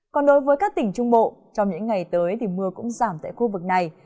còn đối với các tỉnh trung bộ trong những ngày tới thì mưa cũng giảm tại khu vực này